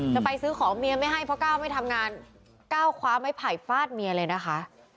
จะไปซื้อของเมียไม่ให้เพราะก้าวไม่ทำงานก้าวคว้าไม้ไผ่ฟาดเมียเลยนะคะ